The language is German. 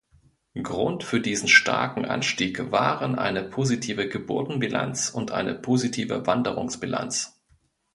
Grund für diesen starken Anstieg waren eine positive Geburtenbilanz und eine positive Wanderungsbilanz.